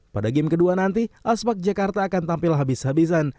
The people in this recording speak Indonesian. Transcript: pada game kedua nanti aspak jakarta akan tampil habis habisan